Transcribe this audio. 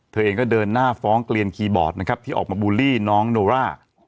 เธอเองก็เดินหน้าฟ้องเกลียนคีย์บอร์ดนะครับที่ออกมาบูลลี่น้องโนร่า